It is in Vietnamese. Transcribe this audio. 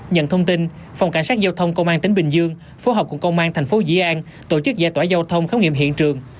nhận thông tin phòng cảnh sát giao thông công an tỉnh bình dương phối hợp cùng công an thành phố dĩ an tổ chức giải tỏa giao thông khám nghiệm hiện trường